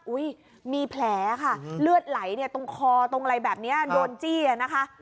อุ้ยมีแผลค่ะเลือดไหลเนี่ยตรงคอตรงอะไรแบบนี้โดนจี้อนะคะ